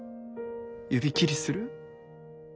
指切りする？